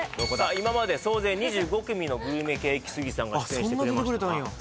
今まで総勢２５組のグルメ系イキスギさんが出演してくれましたが